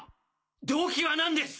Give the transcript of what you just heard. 動機はなんです？